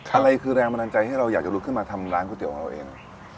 อะไรคือแรงบันดาลใจที่เราอยากจะลุกขึ้นมาทำร้านก๋วเตี๋ของเราเอง